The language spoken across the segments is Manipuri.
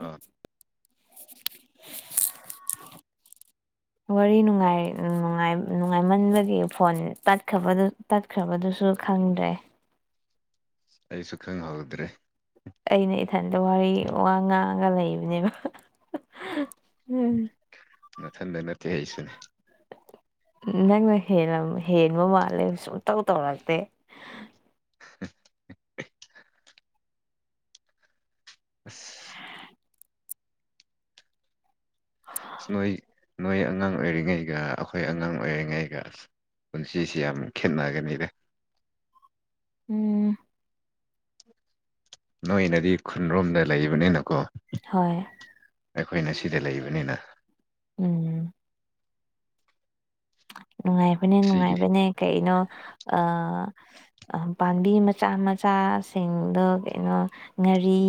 ꯑꯥ [inaudible] ꯋꯥꯔꯤ ꯅꯨꯡꯉꯥꯏ ꯅꯨꯡꯉꯥꯏꯃꯟꯕꯒꯤ ꯐꯣꯟ ꯇꯠꯈꯕꯗꯨ ꯇꯠꯈ꯭ꯔꯕꯗꯨꯁꯨ ꯈꯪꯗ꯭ꯔꯦ ꯑꯩꯁꯨ ꯈꯪꯍꯧꯗ꯭ꯔꯦ ꯑꯩꯅ ꯏꯊꯟꯇ ꯋꯥꯔꯤ ꯋꯥ ꯉꯥꯡꯉꯒ ꯂꯩꯕꯅꯦꯕ ꯎꯝ ꯃꯊꯟꯗ ꯅꯠꯇꯦ ꯑꯩꯁꯨꯅꯤ ꯅꯪꯅ ꯍꯦꯟꯅꯕꯨ ꯍꯦꯟꯕ ꯃꯥꯜꯂꯦ ꯁꯨꯡꯇꯧ ꯇꯧꯔꯛꯇꯦ [unintelligible] ꯑꯁ ꯑꯁ ꯅꯣꯏ ꯅꯣꯏ ꯑꯉꯥꯡ ꯑꯣꯏꯔꯤꯉꯩꯒ ꯑꯩꯈꯣꯏ ꯑꯉꯥꯡ ꯑꯣꯏꯔꯤꯉꯩꯒ ꯄꯨꯟꯁꯤꯁꯤ ꯌꯥꯝ ꯈꯦꯠꯅꯒꯅꯤꯗ ꯎꯝ ꯅꯣꯏꯅꯗꯤ ꯈꯨꯟꯔꯣꯝꯗ ꯂꯩꯕꯅꯤꯅꯀꯣ ꯍꯣꯏ ꯑꯩꯈꯣꯏꯅ ꯁꯤꯗ ꯂꯩꯕꯅꯤꯅ ꯎꯝ ꯅꯨꯡꯉꯥꯏꯕꯅꯦ ꯁꯤꯒꯤ ꯅꯨꯡꯉꯥꯏꯕꯅꯦ ꯀꯩꯅꯣ ꯑ ꯄꯥꯝꯕꯤ ꯃꯆꯥ ꯃꯆꯥꯁꯤꯡꯗꯣ ꯀꯩꯅꯣ ꯉꯥꯔꯤ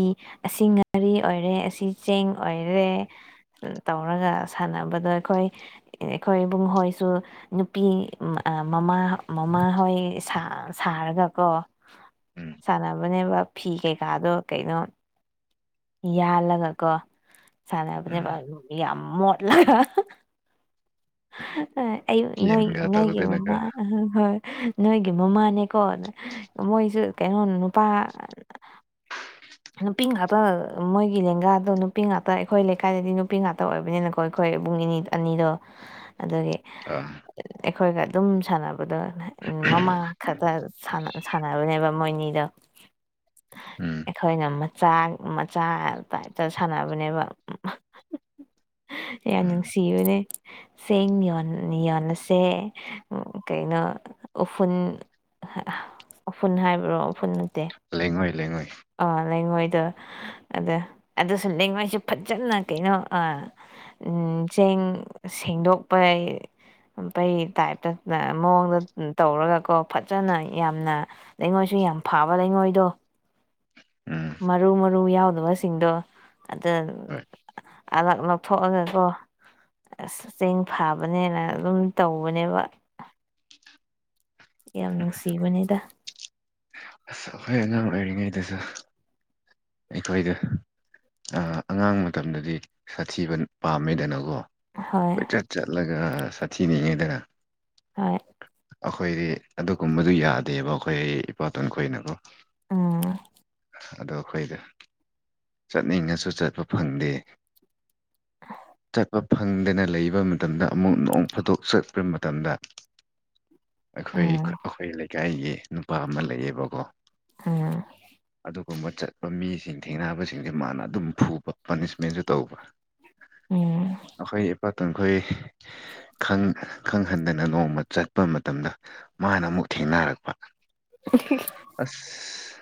ꯑꯁꯤ ꯉꯥꯔꯤ ꯑꯣꯏꯔꯦ ꯑꯁꯤ ꯆꯦꯡ ꯑꯣꯏꯔꯦ ꯇꯧꯔꯒ ꯁꯥꯟꯅꯕꯗꯣ ꯑꯩꯈꯣꯏ ꯑꯩꯈꯣꯏ ꯏꯕꯨꯡꯍꯣꯏ ꯁꯨ ꯅꯨꯄꯤ ꯃꯃꯥ ꯃꯃꯥꯍꯣꯏ ꯁꯥ ꯁꯥꯔꯒꯀꯣ ꯎꯝ ꯁꯥꯟꯅꯕꯅꯦꯕ ꯐꯤ ꯀꯩꯀꯥꯗꯣ ꯀꯩꯅꯣ ꯌꯥꯜꯂꯒ ꯀꯣ ꯎꯝ ꯁꯥꯟꯅꯕꯅꯦꯕ ꯌꯥꯝ ꯃꯣꯠꯂꯒ ꯑꯩ ꯅꯣꯏ ꯒꯦꯝꯒ ꯅꯣꯏꯒꯤ ꯇꯧꯗꯅꯒ ꯃꯃꯥꯅ ꯍꯣꯏ ꯅꯣꯏꯒꯤ ꯃꯃꯥꯅꯦꯀꯣꯅ ꯃꯣꯏꯁꯨ ꯀꯩꯅꯣ ꯅꯨꯄꯥ ꯅꯨꯄꯤ ꯉꯥꯛꯇ ꯃꯣꯏꯒꯤ ꯂꯦꯡꯒꯥꯗꯣ ꯅꯨꯄꯤ ꯉꯥꯛꯇ ꯑꯩꯈꯣꯏ ꯂꯩꯀꯥꯏꯗꯗꯤ ꯅꯨꯄꯤ ꯉꯥꯛꯇ ꯑꯣꯏꯕꯅꯤꯅꯀꯣ ꯑꯩꯈꯣꯏ ꯏꯕꯨꯡ ꯏꯅꯤꯗꯣ ꯑꯅꯤꯗꯣ ꯑꯗꯨꯗꯒꯤ ꯑ ꯑꯩꯈꯣꯏꯒ ꯑꯗꯨꯝ ꯁꯥꯟꯅꯕꯗ ꯃꯃꯥ ꯈꯛꯇ ꯁꯥꯟꯅꯕꯅꯦꯕ ꯃꯣꯏꯅꯤꯗꯣ ꯎꯝ ꯑꯩꯈꯣꯏꯅ ꯃꯆꯥ ꯃꯆꯥ ꯇꯥꯏꯞꯇ ꯁꯥꯟꯅꯕꯅꯦꯕ ꯌꯥꯝ ꯎꯝ ꯅꯨꯡꯁꯤꯕꯅꯦ ꯁꯦꯡ ꯌꯣꯟꯂꯁꯦ ꯎ ꯀꯩꯅꯣ ꯎꯐꯨꯜ ꯎꯐꯨꯟ ꯍꯥꯏꯕ꯭ꯔꯣ ꯎꯐꯨꯟ ꯅꯠꯇꯦ ꯂꯩꯉꯣꯏ ꯂꯩꯉꯣꯏ ꯑꯥ ꯂꯩꯉꯣꯏꯗꯣ ꯑꯗ ꯑꯗꯨꯁꯨ ꯂꯩꯉꯣꯏꯁꯦ ꯐꯖꯅ ꯀꯩꯅꯣ ꯑꯥ ꯆꯦꯡ ꯁꯦꯡꯗꯣꯛꯄꯩ ꯄꯩ ꯇꯥꯏꯞꯇ ꯃꯑꯣꯡꯗ ꯇꯧꯔꯒꯀꯣ ꯐꯖꯅ ꯌꯥꯝꯅ ꯂꯩꯉꯣꯏꯁꯨ ꯌꯥꯝ ꯐꯕ ꯂꯩꯉꯣꯏꯗꯣ ꯎꯝ ꯃꯔꯨ ꯃꯔꯨ ꯌꯥꯎꯗꯕꯁꯤꯡꯗꯣ ꯑꯗ ꯍꯣꯏ ꯑꯂꯛ ꯂꯧꯊꯣꯛꯑꯒꯀꯣ ꯑꯁ ꯆꯦꯡ ꯐꯥꯕꯅꯦꯅ ꯑꯗꯨꯝ ꯇꯧꯕꯅꯦꯕ [unintelligible] ꯌꯥꯝ ꯅꯨꯡꯁꯤꯕꯅꯤꯗ ꯑꯁ ꯑꯩꯈꯣꯏ ꯑꯉꯥꯡ ꯑꯣꯏꯔꯤꯉꯩꯗꯨꯁꯨ ꯑꯩꯈꯣꯏꯗ ꯑꯉꯥꯡ ꯃꯇꯝꯗꯗꯤ ꯁꯥꯊꯤꯕ ꯄꯥꯝꯃꯦꯗꯅꯀꯣ ꯍꯣꯏ ꯀꯣꯏꯆꯠ ꯆꯠꯂꯒ ꯁꯥꯊꯤꯅꯤꯡꯉꯤꯗꯅ ꯍꯣꯏ ꯑꯩꯈꯣꯏꯗꯤ ꯑꯗꯨꯒꯨꯝꯕꯗꯨ ꯌꯥꯗꯦꯕ ꯑꯩꯈꯣꯏ ꯑꯩ ꯏꯄꯥꯇꯣꯟꯈꯣꯏꯅꯀꯣ ꯎꯝ ꯑꯗꯣ ꯑꯩꯈꯣꯏꯗ ꯆꯠꯅꯤꯡꯉꯁꯨ ꯆꯠꯄ ꯐꯪꯗꯦ ꯍ ꯆꯠꯄ ꯐꯪꯗꯅ ꯂꯩꯕ ꯃꯇꯝꯗ ꯑꯃꯨꯛ ꯅꯣꯡ ꯐꯥꯗꯣꯛ ꯆꯠꯄ ꯃꯇꯝꯗ ꯑꯩꯈꯣꯏ ꯎꯝ ꯑꯩꯈꯣꯏ ꯂꯩꯀꯥꯏꯒꯤ ꯅꯨꯄꯥ ꯑꯃ ꯂꯩꯌꯦꯕꯀꯣ ꯑꯝ ꯑꯗꯨꯒꯨꯝꯕ ꯆꯠꯄ ꯃꯤꯁꯤꯡ ꯊꯦꯡꯅꯕꯁꯤꯡꯁꯦ ꯃꯥꯅ ꯑꯗꯨꯝ ꯐꯨꯕ ꯄꯥꯅꯤꯁꯃꯦꯟꯁꯨ ꯇꯧꯕ ꯎꯝ ꯑꯩꯈꯣꯏ ꯏꯄꯥꯇꯈꯣꯏ ꯈꯪꯍꯟꯗꯅ ꯅꯣꯡꯃ ꯆꯠꯄ ꯃꯇꯝꯗ ꯃꯥꯅ ꯑꯃꯨꯛ ꯊꯦꯡꯅꯔꯛꯄ [unintelligible] ꯑꯁ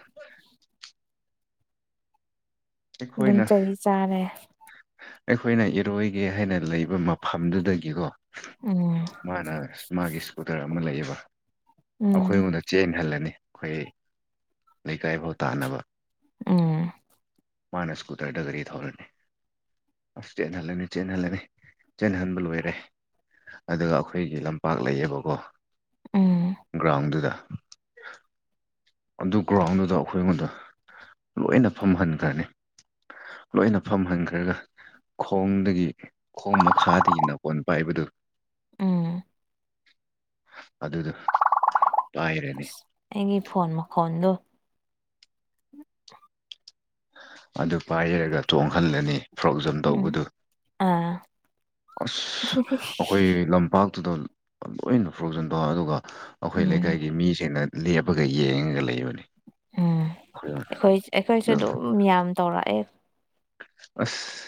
ꯑꯗꯨꯝ ꯑꯩꯈꯣꯏꯅ ꯆꯍꯤ ꯆꯥꯔꯦ ꯑꯩꯈꯣꯏꯅ ꯏꯔꯣꯏꯒꯦ ꯍꯥꯏꯅ ꯂꯩꯕ ꯃꯐꯝꯗꯨꯗꯒꯤꯀꯣ ꯎꯝ ꯃꯥꯅ ꯃꯥꯒꯤ ꯏꯁ꯭ꯀꯨꯇꯔ ꯑꯃ ꯂꯩꯌꯦꯕ ꯑꯩꯈꯣꯏ ꯎꯝ ꯑꯩꯉꯣꯟꯗ ꯆꯦꯟꯍꯜꯂꯅꯤ ꯑꯩꯈꯣꯏ ꯂꯩꯀꯥꯏꯐꯥꯎ ꯇꯥꯅꯕ ꯎꯝ ꯃꯥꯅ ꯁ꯭ꯀꯨꯇꯔꯗꯒꯔꯤ ꯊꯧꯔꯅꯤ ꯑꯁ ꯆꯦꯟꯍꯜꯂꯅꯤ ꯆꯦꯟꯍꯜꯂꯅꯤ ꯆꯦꯟꯍꯟꯕ ꯂꯣꯏꯔꯦ ꯑꯗꯨꯒ ꯑꯩꯈꯣꯏꯒꯤ ꯂꯝꯄꯥꯛ ꯂꯩꯌꯦꯕꯀꯣ ꯎꯝ ꯒ꯭ꯔꯥꯎꯟꯗꯨꯗ ꯑꯗꯨ ꯒ꯭ꯔꯥꯎꯟꯗꯨꯗ ꯑꯩꯈꯣꯏ ꯑꯩꯉꯣꯟꯗ ꯂꯣꯏꯅ ꯐꯝꯍꯟꯈ꯭ꯔꯅꯤ ꯂꯣꯏꯅ ꯐꯝꯍꯟꯈ꯭ꯔꯒ ꯈꯣꯡꯗꯒꯤ ꯈꯣꯡ ꯃꯈꯥꯗꯒꯤ ꯅꯥꯀꯣꯟ ꯄꯥꯏꯕꯗꯨ ꯎꯝ ꯑꯗꯨꯗ ꯑꯁ ꯑꯩꯒꯤ ꯐꯣꯟ ꯃꯈꯣꯟꯗꯨꯣ ꯑꯗꯨ ꯄꯥꯏꯔꯒ ꯇꯣꯡꯍꯜꯂꯅꯤ ꯐ꯭ꯔꯣꯛ ꯖꯝ ꯎꯝ ꯇꯧꯕꯗꯨ ꯑꯥ ꯑꯁ ꯑꯩꯈꯣꯏ ꯂꯝꯄꯥꯛꯇꯨꯗ ꯂꯣꯏꯅ ꯐꯔꯛꯆꯟꯕ ꯑꯗꯨꯒ ꯑꯩꯈꯣꯏ ꯎꯝ ꯂꯩꯀꯥꯏꯒꯤ ꯃꯤꯁꯤꯡꯅ ꯂꯦꯞꯄꯒ ꯌꯦꯡꯉꯒ ꯂꯩꯕꯅꯤ ꯎꯝ ꯑꯩꯈꯣꯏ ꯑꯩꯈꯣꯏꯁꯨ ꯑꯗꯨꯝ ꯌꯥꯝ ꯇꯧꯔꯛꯑꯦ ꯑꯁ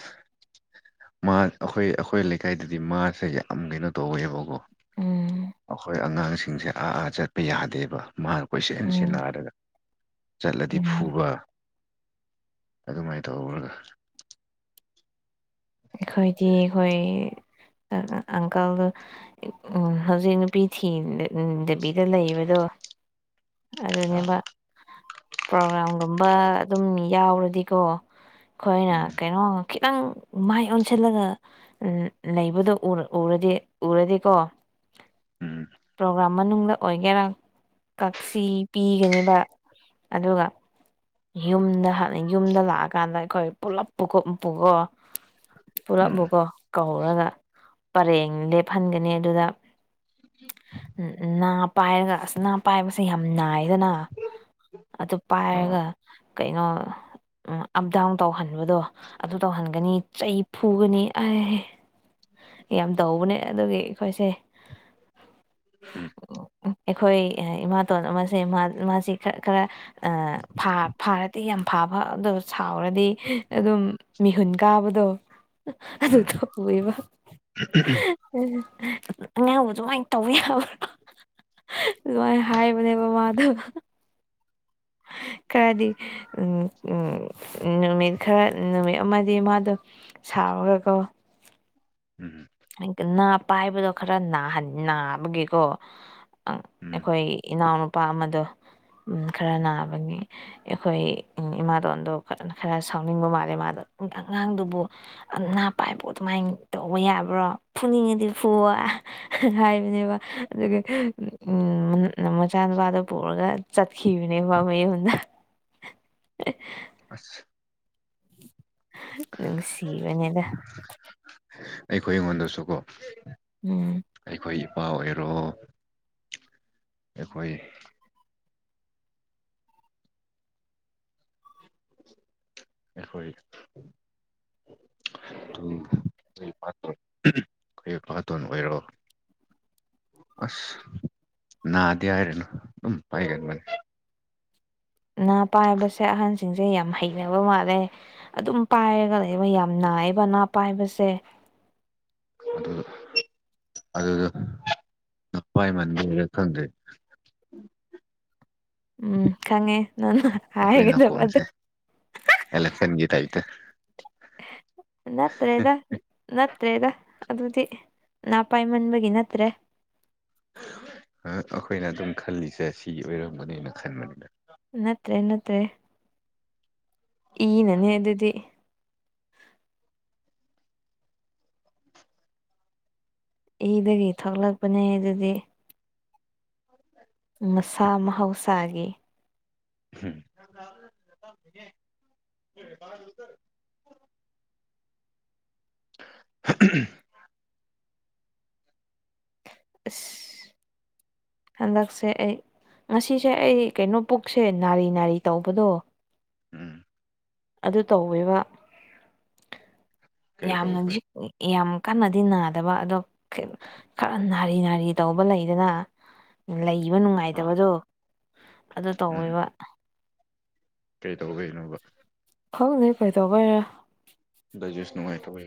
ꯃꯥ ꯑꯩꯈꯣꯏ ꯑꯩꯈꯣꯏ ꯂꯩꯀꯥꯏꯗꯗꯤ ꯃꯥꯁꯦ ꯌꯥꯝ ꯀꯩꯅꯣ ꯇꯧꯋꯦꯕꯀꯣ ꯎꯝ ꯑꯩꯈꯣꯏ ꯑꯉꯥꯡꯁꯤꯡꯁꯦ ꯑꯥ ꯆꯠꯄ ꯌꯥꯗꯦꯕ ꯃꯥ ꯑꯩꯈꯣꯏꯁꯤꯍꯟꯁꯤ ꯎꯝ ꯅꯥꯔꯒ ꯆꯠꯂꯗꯤ ꯎꯝ ꯐꯨꯕ ꯑꯗꯨꯃꯥꯏꯅ ꯇꯧꯔꯒ ꯑꯩꯈꯣꯏꯗꯤ ꯑꯩꯈꯣꯏ ꯑꯪꯀꯜꯗ ꯍꯧꯖꯤꯛ ꯅꯨꯄꯤ ꯊꯤ ꯗꯕꯤꯗ ꯂꯩꯕꯗꯣ ꯑꯥ ꯑꯗꯨꯅꯦꯕ ꯄ꯭ꯔꯣꯒ꯭ꯔꯥꯝꯒꯨꯝꯕ ꯑꯗꯨꯝ ꯌꯥꯎꯔꯗꯤꯀꯣ ꯑꯩꯈꯣꯏꯅ ꯎꯝ ꯀꯩꯅꯣ ꯈꯤꯇꯪ ꯃꯥꯏ ꯑꯣꯟꯁꯤꯜꯂꯒ ꯎꯝ ꯂꯩꯕꯗꯣ ꯎꯔꯗꯤ ꯎꯔꯗꯤꯀꯣ ꯎꯝ ꯄ꯭ꯔꯣꯒ꯭ꯔꯥꯝ ꯃꯅꯅꯨꯡꯗ ꯑꯣꯏꯒꯦꯔ ꯀꯛꯁꯤ ꯄꯤꯒꯅꯦꯕ ꯑꯗꯨꯒ ꯌꯨꯝꯗ ꯍꯅ ꯌꯨꯝꯗ ꯂꯥꯛꯑꯀꯥꯟꯗ ꯑꯩꯈꯣꯏ ꯄꯨꯂꯞ ꯄꯨ ꯈꯣꯨꯞ ꯄꯨꯨꯀꯣ ꯎꯝ ꯄꯨꯂꯞꯕꯨꯀꯣ ꯀꯧꯔꯒ ꯄꯔꯦꯡ ꯂꯦꯞꯍꯟꯒꯅꯤ ꯑꯗꯨꯗ ꯎꯝ ꯅꯥ ꯄꯥꯏꯒ ꯄꯥꯏꯕꯁꯦ ꯌꯥꯝ ꯅꯥꯏꯗꯅ ꯑꯗꯨ ꯑꯣ ꯄꯥꯏꯔꯒ ꯀꯩꯅꯣ ꯎ ꯑꯞ ꯗꯥꯎꯟ ꯇꯧꯍꯟꯕꯗꯣ ꯑꯗꯨ ꯇꯧꯍꯟꯒꯅꯤ ꯆꯩ ꯐꯨꯒꯅꯤ ꯑ ꯌꯥꯝ ꯇꯧꯕꯅꯦ ꯑꯗꯨꯒꯤ ꯑꯩꯈꯣꯏꯁꯦ ꯎꯝ ꯑꯩꯈꯣꯏ ꯏꯃꯥꯇꯣꯟ ꯑꯃꯁꯦ ꯃꯥꯁꯤ ꯈꯔ ꯈꯔ ꯐꯥ ꯐꯥꯔꯗꯤ ꯌꯥꯝ ꯐꯥꯕ ꯑꯗꯣ ꯁꯥꯎꯔꯗꯤ ꯑꯗꯨꯝ ꯃꯤꯍꯨꯟ ꯀꯥꯕꯗꯣ ꯑꯗꯨ ꯎꯝ ꯇꯣꯋꯦꯕ [unintelligible] ꯎꯝ ꯑꯉꯥꯡꯕꯨ ꯑꯗꯨꯃꯥꯏꯅ ꯇꯧꯕꯋ ꯌꯥꯕꯣ ꯑꯗꯨꯃꯥꯏꯅ ꯍꯥꯏꯕꯅꯦꯕ ꯃꯥꯗꯣ ꯈꯔꯗꯤ ꯎ ꯎ ꯅꯨꯃꯤꯠ ꯈꯔ ꯅꯨꯃꯤꯠ ꯑꯃꯗꯤ ꯃꯥꯗꯣ ꯁꯥꯎꯒꯦꯀꯣ ꯎꯝꯝ ꯅꯥ ꯄꯥꯏꯕꯗꯣ ꯈꯔ ꯅꯥꯟ ꯅꯥꯕꯒꯤꯀꯣ ꯎꯝ ꯑꯩꯈꯣꯏ ꯏꯅꯥꯎꯅꯨꯄꯥ ꯑꯃꯗꯣ ꯎ ꯈꯔ ꯅꯥꯕꯒꯤ ꯑꯩꯈꯣꯏ ꯏꯃꯥꯂꯣꯟꯣꯟꯗꯣꯖ ꯈꯔ ꯁꯥꯎꯅꯤꯡꯕ ꯃꯥꯜꯂꯦ ꯃꯥꯗꯣ ꯑꯉꯥꯡꯗꯨꯕꯨ ꯥ ꯄꯥꯏꯕ ꯑꯗꯨꯃꯥꯏꯅ ꯇꯧꯕ ꯌꯥꯕ꯭ꯔꯣ ꯐꯨꯅꯤꯡꯉꯗꯤ ꯐꯨ ꯍꯥꯏꯕꯅꯦꯕ ꯑꯗꯨꯒ ꯎ ꯃꯆꯥꯅꯨꯄꯥꯗꯨꯣ ꯄꯨꯔꯒ ꯈꯅꯦ ꯋꯥꯃ ꯍꯗ ꯑꯁ ꯑꯗꯨꯪ ꯁꯤꯕꯅꯦꯗ ꯑꯩꯈꯣꯏ ꯑꯩꯉꯣꯟꯗꯁꯨꯀꯣ ꯎꯝ ꯑꯩꯈꯣꯏ ꯏꯄꯥ ꯑꯣꯏꯔꯣ ꯑꯩꯈꯣꯏ ꯑꯩꯈꯣꯏ [inaudible] ꯑꯩꯈꯣꯏ ꯐꯥꯇꯣꯟ ꯑꯣꯏꯔꯛꯑꯣ ꯑꯁ ꯅꯥꯗꯤ ꯍꯥꯏꯔꯅꯨ ꯑꯗꯨꯝ ꯄꯥꯏꯒꯗꯕꯅꯤ ꯥ ꯄꯥꯏꯕꯁꯦ ꯑꯍꯟ ꯁꯤꯡꯁꯦ ꯌꯥꯝ ꯍꯩꯅꯕ ꯃꯥꯜꯂꯦ ꯑꯗꯨꯝ ꯄꯥꯏꯔꯒ ꯂꯩꯕ ꯌꯥꯝ ꯅꯥꯏꯑꯦꯕ ꯑꯅꯥ ꯄꯥꯏꯕꯁꯦ ꯑꯗꯨꯗ ꯑꯗꯨꯗ ꯑꯄꯥꯏ ꯃꯕꯤ ꯔ ꯈꯪꯗꯦ [inaudible] ꯎꯝ ꯈꯪꯉꯦ ꯅꯪꯅ ꯑꯩꯈꯣꯏ ꯍꯥꯏꯒꯗꯕꯗꯣ ꯅꯥꯀꯣꯟꯁꯦ ꯑꯦꯂꯦꯛꯁꯟꯒꯤ ꯇꯥꯏꯞꯇ ꯅꯠꯇ꯭ꯔꯦꯗ ꯅꯠꯇ꯭ꯔꯦꯗ ꯑꯗꯨꯗꯤ ꯅꯪ ꯄꯥꯏꯃꯟꯕꯒꯤ ꯅꯠꯇ꯭ꯔꯦ ꯑꯩꯈꯣꯏꯅ ꯑꯗꯨꯝ ꯈꯜꯂꯤꯁꯦ ꯁꯤꯒꯤ ꯑꯣꯏꯔꯝꯒꯅꯤꯅ ꯈꯟꯕꯅꯤꯅ ꯅꯠꯇ꯭ꯔꯦ ꯅꯠꯇ꯭ꯔꯦ ꯏ ꯅꯅꯦ ꯑꯗꯨꯗꯤ ꯏꯗꯒꯤ ꯊꯣꯛꯂꯛꯄꯅꯦ ꯑꯗꯨꯗꯤ ꯃꯁꯥ ꯃꯍꯧꯁꯥꯒꯤ [inaudible] [inaudible] ꯑ ꯍꯟꯗꯛꯁꯦ ꯑꯩ ꯉꯁꯤꯁꯦ ꯑꯩ ꯀꯩꯅꯣ ꯄꯨꯛꯁꯦ ꯅꯥꯔꯤ ꯅꯥꯔꯤ ꯇꯧꯕꯗꯣ ꯎꯝ ꯑꯗꯨ ꯇꯧꯋꯦꯕ ꯀꯔꯤ ꯌꯥꯝꯅꯗꯤ ꯇꯧꯕꯩ ꯌꯥꯝ ꯀꯟꯅꯗꯤ ꯅꯥꯗꯕ ꯑꯗꯣ ꯈꯔ ꯅꯥꯔꯤ ꯅꯥꯔꯤ ꯇꯧꯕ ꯂꯩꯗꯅ ꯂꯩꯕ ꯑꯥ ꯅꯨꯡꯉꯥꯏꯇꯕꯗꯣ ꯑꯗꯨ ꯇꯧꯋꯦꯕ ꯀꯩ ꯇꯧꯕꯅꯣꯕ ꯈꯪꯗꯦ ꯀꯩꯇꯧꯕꯩꯅꯣ ꯗꯥꯏꯖꯦꯁ ꯅꯨꯡꯉꯥꯏꯇꯧꯋꯦ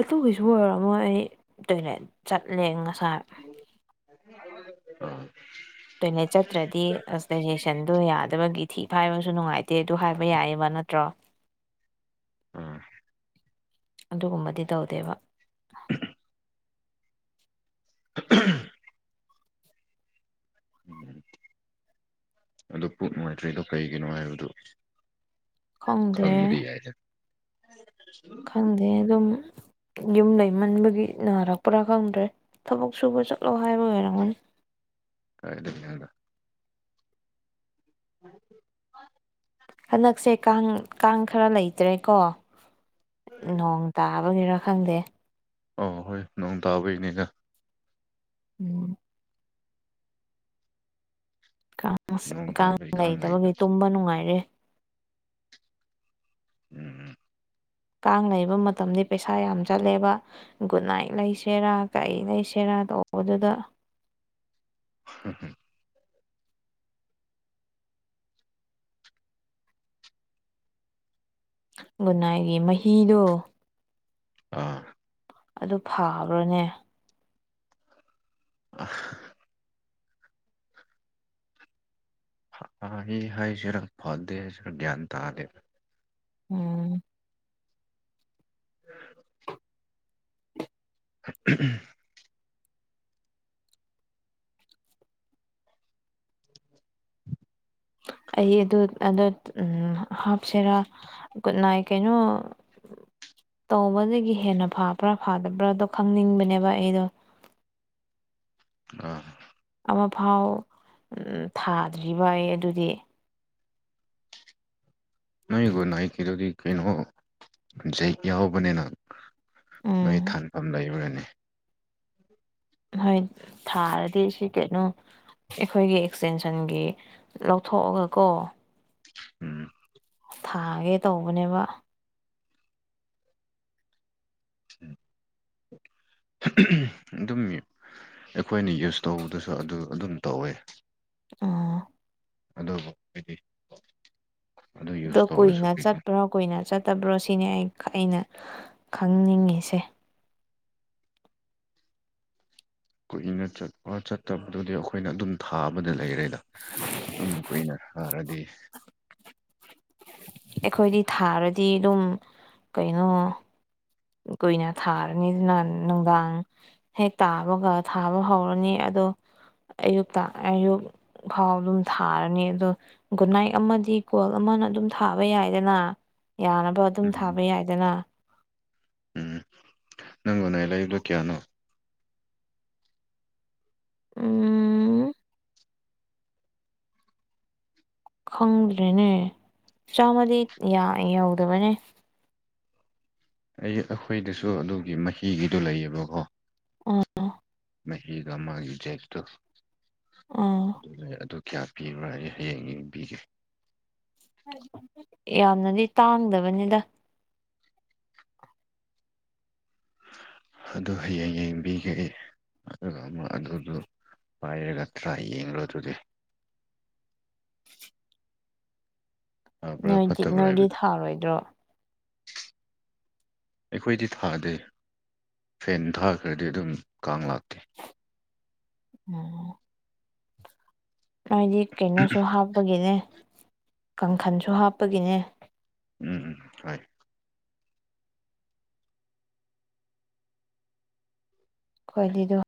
ꯑꯗꯨꯒꯤꯁꯨ ꯑꯣꯏꯔꯝꯃꯣꯏ ꯑꯩ ꯇꯣꯏꯂꯦꯠ ꯆꯠꯂꯦ ꯉꯁꯥꯏ ꯑ [inaudible] ꯇꯣꯏꯂꯦꯠ ꯆꯠꯇ꯭ꯔꯗꯤ ꯑꯁ ꯗꯥꯢꯖꯦꯁꯟꯗꯣ ꯌꯥꯗꯕꯒꯤ ꯊꯤ ꯐꯥꯏꯕꯁꯨ ꯅꯨꯡꯉꯥꯏꯇꯦ ꯑꯗꯨ ꯍꯥꯏꯕ ꯌꯥꯏꯌꯦꯕ ꯅꯠꯇ꯭ꯔꯣ ꯑꯥ ꯑꯗꯨꯒꯨꯝꯕꯗꯤ ꯇꯧꯗꯦꯕ [unintelligible] ꯍ [inaudible] ꯑꯗꯣ ꯄꯨꯛ ꯅꯨꯡꯉꯥꯏꯇ꯭ꯔꯤꯗꯣ ꯀꯩꯒꯤꯅꯣ ꯍꯥꯏꯕꯗꯨ ꯈꯪꯗꯦ ꯈꯪꯕꯗꯤ ꯌꯥꯏꯗꯅ ꯈꯪꯗꯦ ꯑꯗꯨꯝ ꯌꯨꯝ ꯂꯩꯃꯟꯕꯒꯤ ꯅꯥꯔꯛꯄ꯭ꯔꯥ ꯈꯪꯗ꯭ꯔꯦ ꯊꯕꯛ ꯁꯨꯕ ꯆꯠꯂꯣ ꯍꯥꯏꯕ ꯑꯣꯏꯔꯝꯒꯅꯤ ꯀꯥꯏꯗꯗꯤ [inaudible] ꯑꯗꯨ [inaudible] ꯍꯟꯗꯛꯁꯦ ꯀꯥꯡ ꯀꯥꯡ ꯈꯔ ꯂꯩꯇ꯭ꯔꯦꯀꯣ ꯅꯣꯡ ꯇꯥꯕꯒꯤꯔꯥ ꯈꯪꯗꯦ ꯑꯣ ꯍꯣꯏ ꯅꯣꯡ ꯇꯥꯕꯩꯅꯤꯗ ꯎꯝ ꯀꯥꯡ ꯅꯣꯡ ꯀꯥꯡ ꯇꯥꯕꯩ ꯂꯩꯗ ꯂꯩꯇꯕꯒꯤ ꯇꯨꯝꯕ ꯅꯨꯡꯉꯥꯏꯔꯦ ꯎꯝ ꯎꯝ ꯀꯥꯡ ꯂꯩꯕ ꯃꯇꯝꯗꯤ ꯄꯩꯁꯥ ꯌꯥꯝ ꯆꯠꯂꯦꯕ ꯒꯨꯗ ꯅꯥꯏꯠ ꯂꯩꯁꯦꯔꯥ ꯀꯩ ꯂꯩꯁꯦꯔꯥ ꯇꯧꯕꯗꯨꯗ ꯍꯝ ꯍꯝ ꯒꯨꯗꯅꯥꯏꯒꯤ ꯃꯍꯤꯗꯣ ꯑꯥ ꯑꯗꯨ ꯐꯥꯕ꯭ꯔꯅꯦ ꯑ [inaudible] ꯑꯩ ꯍꯥꯏꯁꯤꯔ ꯐꯗꯦ ꯁꯤꯔ ꯒ꯭ꯌꯥꯟ ꯇꯥꯗꯦꯕ ꯎꯝ [unintelligible] ꯎꯝ [unintelligible] ꯑꯩ ꯑꯗꯨ ꯑ ꯎ ꯍꯥꯞꯁꯤꯔꯥ ꯅꯥꯏꯀꯩꯅꯣ ꯇꯧꯕꯗꯒꯤ ꯍꯦꯟꯅ ꯐꯕ꯭ꯔꯥ ꯐꯥꯗꯕ꯭ꯔꯥꯗꯣ ꯈꯪꯅꯤꯡꯕꯅꯦꯕ ꯑꯩꯗꯣ ꯑ ꯑꯃꯐꯥꯎ ꯊꯥꯗ꯭ꯔꯤꯕ ꯑꯩ ꯑꯗꯨꯗꯤ ꯅꯣꯏꯕꯨꯣ ꯅ ꯑꯩ ꯀꯗꯣꯗꯤ ꯀꯩꯅꯣꯖ ꯌꯥꯎꯕꯅꯤꯅ [inaudible] ꯅꯣꯏ ꯎꯝ ꯊꯥꯟꯐꯝ ꯂꯩꯕ꯭ꯔꯥꯅꯦ ꯍꯣꯏ ꯊꯥꯔꯗꯤ ꯁꯤ ꯀꯩꯅꯣ ꯑꯩꯈꯣꯏꯒꯤ ꯑꯦꯛꯁꯇꯦꯟꯁꯟꯒꯤ ꯂꯧꯊꯣꯛꯑꯒ ꯀꯣ ꯎꯝ ꯊꯥꯒꯦ ꯇꯧꯕꯅꯦꯕ ꯑꯗꯨꯝ ꯑꯩꯈꯣꯏꯅ ꯌꯨꯁ [inaudible] ꯇꯧꯕꯗꯨꯁꯨ ꯑꯗꯨ ꯑꯗꯨꯝ ꯇꯧꯋꯦ ꯑꯣ ꯑꯗꯨꯕꯨ ꯍꯥꯏꯗꯤ [inaudible] ꯑꯗꯨ ꯑꯗꯣ ꯌꯨꯁ ꯇꯧꯔꯁꯨ ꯀꯨꯏꯅ ꯀꯨꯏ- ꯆꯠꯄ꯭ꯔꯣ ꯀꯨꯏꯅ ꯆꯠꯇꯕ꯭ꯔꯣ ꯁꯤꯅꯤ ꯑꯩ ꯑꯩꯅ ꯈꯪꯅꯤꯡꯉꯤꯁꯦ ꯀꯨꯛꯅꯤꯡꯅ ꯆꯠꯄ ꯆꯠꯇꯕꯗꯨꯗꯤ ꯑꯩꯈꯣꯏꯅ ꯑꯗꯨꯝ ꯊꯥꯕꯗ ꯂꯩꯔꯦꯗ ꯑꯗꯨꯝ ꯀꯨꯏꯅ ꯁꯥꯔꯗꯤ ꯑꯩꯈꯣꯏꯗꯤ ꯊꯥꯔꯗꯤ ꯑꯗꯨꯝ ꯀꯩꯅꯣ꯫ ꯀꯣꯏꯅ ꯊꯔꯅꯤ ꯅꯨꯡꯗꯥꯡ ꯍꯦꯛ ꯇꯥꯕꯒ ꯊꯥꯕ ꯍꯧꯔꯅꯤ ꯑꯗꯣ ꯑꯌꯨꯛꯇ ꯑꯌꯨꯛ꯫ ꯐꯥꯎ ꯑꯗꯨꯝ ꯊꯥꯔꯅꯤ ꯑꯗꯣ꯫ ꯒꯨꯗ ꯅꯥꯏꯠ ꯑꯃꯗꯤ ꯀꯣꯜ ꯑꯃꯅ ꯑꯗꯨꯝ ꯊꯥꯕ ꯌꯥꯏꯗꯅ ꯌꯥꯅꯕ ꯑꯗꯨꯝ ꯎꯝ ꯊꯥꯕ ꯌꯥꯏꯗꯅ ꯎꯝ ꯅꯪ [unintelligible] ꯂꯩꯏꯕꯗꯣ ꯀꯌꯥꯅꯣ꯫ ꯎꯝ꯫ ꯈꯪꯗ꯭ꯔꯦꯅꯦ ꯆꯥꯝꯃꯗꯤ ꯌꯧꯗꯕꯅꯦ ꯑꯩ ꯑꯩꯈꯣꯏꯗꯁꯨ ꯑꯗꯨꯒꯤ ꯃꯍꯤꯒꯤꯗꯨꯣ ꯂꯩꯌꯦꯕꯀꯣ ꯑꯣ꯫ ꯃ ꯍꯒꯃꯒꯤꯖꯦꯠꯇ ꯎꯝ꯫ ꯑꯗꯨ ꯀꯌꯥ ꯄꯤꯔꯣꯏ ꯍꯌꯦꯡ ꯄꯤꯒꯦ꯫ ꯌꯥꯝꯅꯗꯤ ꯇꯥꯡꯗꯕꯅꯤꯗ ꯑꯗꯨ ꯍꯌꯦꯡ ꯌꯦꯡꯕꯤꯒꯦ ꯑꯩ ꯑꯗꯨꯒ ꯑꯃ ꯑꯗꯨꯗꯨ꯫ ꯄꯥꯏꯔꯒ ꯇ꯭ꯔꯥꯏ ꯌꯦꯡꯂꯣ ꯑꯗꯨꯗꯤ꯫ ꯐꯕ꯭ꯔꯥ ꯅꯣꯏꯗꯤ ꯐꯠꯇꯕ꯭ꯔꯥ ꯅꯣꯏꯗꯤ ꯍꯥꯏꯕꯗ꯫ ꯊꯥꯔꯣꯏꯗ꯭ꯔꯣ ꯑꯩꯈꯣꯏꯗꯤ ꯊꯥꯗꯦ ꯐꯦꯟ ꯊꯥꯈ꯭ꯔꯗꯤ ꯑꯗꯨꯝ ꯀꯥꯡ ꯂꯥꯛꯇꯦ ꯎꯝ ꯅꯣꯏꯗꯤ ꯀꯩꯅꯣꯁꯨ ꯍꯥꯞꯄꯒꯤꯅꯦ ꯀꯥꯡꯈꯟꯁꯨ ꯍꯥꯞꯄꯒꯤꯅꯦ ꯎꯝ ꯎꯝ ꯍꯣꯏ꯫ ꯈꯣꯏꯂꯤꯗꯣ